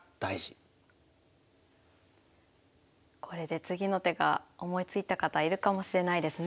これで次の手が思いついた方いるかもしれないですね。